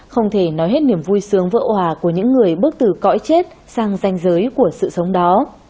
không thể nói hết niềm vui sướng vỡ hòa của những người bước từ cõi chết sang danh giới của sự sống đó